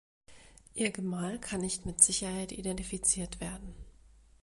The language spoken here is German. Ihr Gemahl kann nicht mit Sicherheit identifiziert werden.